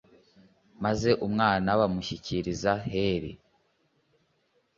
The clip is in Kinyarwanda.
maze umwana bamushyikiriza heli